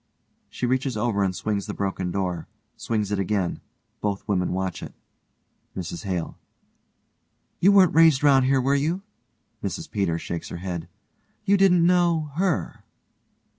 (She reaches over and swings the broken door, swings it again, both women watch it.) MRS HALE: You weren't raised round here, were you? (MRS PETERS shakes her head) You didn't know her?